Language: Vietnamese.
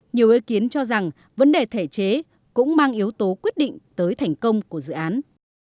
nhiều ý kiến cho rằng vấn đề thể chế cũng mang yếu tố quyết định tới thành công của dự án